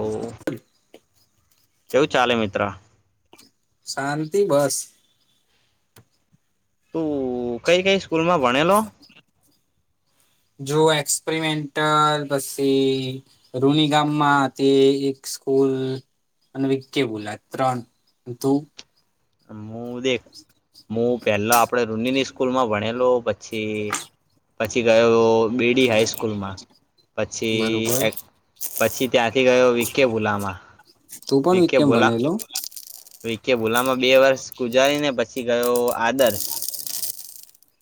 ઓ કેવું ચાલે મિત્ર? શાંતી બસ તું કઈ કઈ સ્કૂલમાં ભણેલો? જો એક્સપરિમેન્ટલ પછી રૂની ગામમાં તે એક સ્કૂલ અને બોલા ત્રણ ધુ મુ દે મુ પેલા આપડે રૂનીની સ્કૂલમાં ભણેલો પછી પછી ગયો બેડી હાઈસ્કૂલમાં પછી બરોબર એક પછી ત્યાંથી ગયો વીકેભુલામાં તું પણ વિકેમ ભણેલો વિકે ભુલામાં બે વર્ષ ગુજારી ને પછી ગયો આદર્શ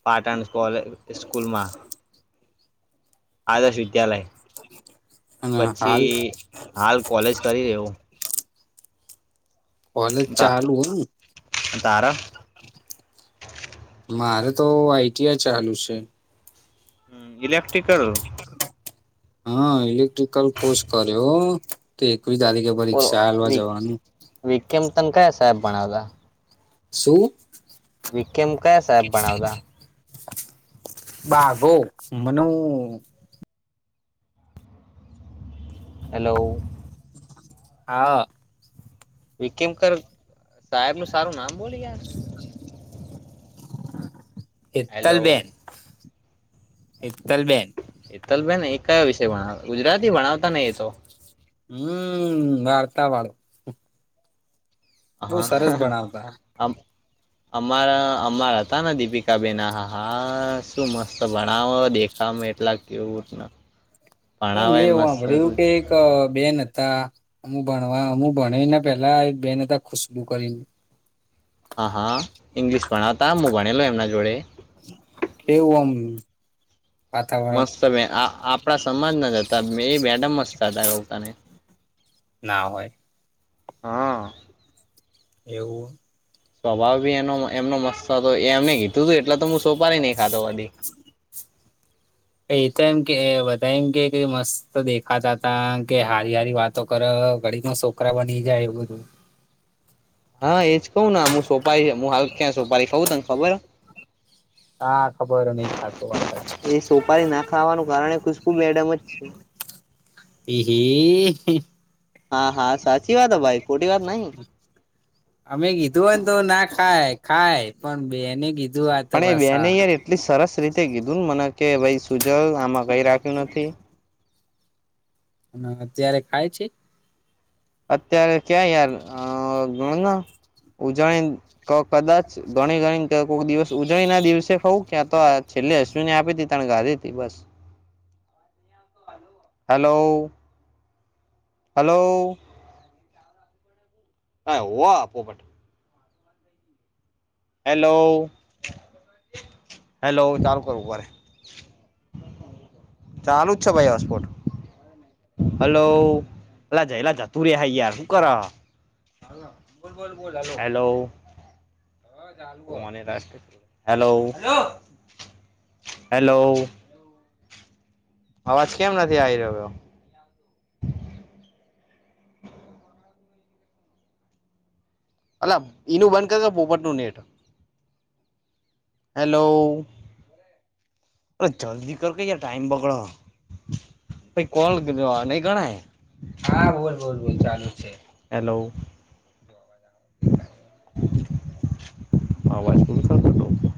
પાટણ કોલે સ્કૂલમાં આદર્શ વિદ્યાલય અને પછી હાલ કોલેજ કરી રહ્યો કોલેજ ચાલુ હોય અંન તાર મારે તો આઈ ટી આઈ ચાલુ છે. હમ ઇલેક્ટ્રિકલ હ ઇલેક્ટ્રિકલ કોર્સ કર્યો તો એકવી તારીખે બોલો પરીક્ષા હાલવા જવાનું વિકેમ તને કયા સાહેબ ભણાવલા શું? વિકેમ કયા સાહેબ ભણાવતા બાગો મને. હલો. હા. વિકિમકર સાહેબ નું સારું નામ બોલી યાર. હેલો હેતલબેન હેતલબેન હેતલબેન એ કયો વિષય ભણાવ ગુજરાતી ભણાવતા ને એતો હમ વાર્તા વાળુ હા સરસ ભણાવતા અમ અમારે અમાર હતા દીપિકાબેના આ હા હા શું મસ તો ભણાવો દેખાવ એટલા કેયુટને મેં એવું વાંભળ્યું કે એક બેન હતા. અમુ ભણવા, અમુ ભણને પેલા બેનતા ખુશબુ કરીને. હા, હા, ઇંગ્લિશ ભણાવતા. હું ભણેલો એમના જોડે. એવું એમ. મસ્ત બે આપણા સમાજ ના જતા, એ મેડમ મસ્ત હતા લોકોને. ના હોય. હ. એવું. સ્વભાવ બી એનો એનો મસ્ત હતો. એ એમને કીધું હતું, એટલે તો હું સોપારી નહી ખાધા બધી. [unintelligible] એ તો એમ કે, બધા કે મસ્ત દેખાતા હતા કે હારી-હારી વાત? તો કર, ઘડીમાં છોકરા બની જાય એવું. હા, એજ કઉું. હું સોપારી? હું હાલ ક્યાં સોપારી ખાઉં, તને ખબર? હા, ખબર‌. એ સોપારી ના ખાવાનું કારણે ખુશખુ બેડમ જ છે. [unintelligible] હા, હા, સાચી વાત હ ભાઈ, ખોટી વાત નઈ. અમે કીધું હોય ને તો ના ખાય. ખાય પણ, બેને કીધું. આ તો પણ એ બેન, પાછા યાર, એટલી સરસ રીતે કીધું ને મને. કે ભાઈ સુજલ, આમાં કંઈ રાખ્યું નથી. અને અત્યારે ખાય છે? અત્યારે ક્યાં, યાર? અ ગણોના. ઉજવણી તો કદાચ ગણી-ગણીને કોક દિવસ, ઉજવણીના દિવસે ખઉં ક્યાં તો આ. છેલ્લે અશ્વિને આપીતી, તાણે ખાધીતી. બસ, અવાજ ની આવતો, હલો હલો. હલો [inaudible] એ હોવ આ પોપટ. હેલો [inaudible] હેલો ચાલું કરું ઉભો રે. ચાલુ જ છે ભાઈ, હોસપોર્ટ. હલો, અલા જયલા જતુ રે. હા યાર, હું કર હ. બોલો, બોલો, બોલો. હેલો. [unintelligible] Hello, hello, hello. અવાજ કેમ નથી આઈ રહ્યો? અલા, ઈનું બંધ કરતા પોપટનું નેટ. હેલો, અરે જલ્દીને કર ને યાર, ટાઈમ બગડી હ. પહિ કોલ નહીં ગણાય? હા, બોલ, બોલ, બોલ. ચાલુ જ છે. હેલો, જો અવાજ આવે છે. અવાજ [unintelligible]